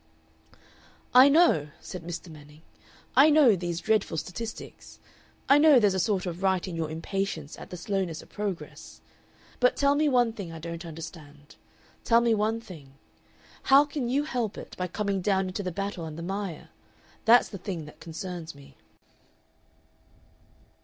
"I know," said Mr Manning, "I know these Dreadful Statistics. I know there's a sort of right in your impatience at the slowness of Progress. But tell me one thing I don't understand tell me one thing: How can you help it by coming down into the battle and the mire? That's the thing that concerns me."